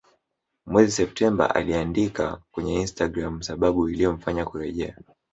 Mwezi Septemba aliandika kwenye Instagram sababu iliyomfanya kurejea